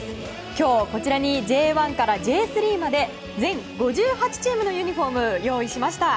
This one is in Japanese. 今日こちらにＪ１からＪ３まで全５８チームのユニホームを用意しました。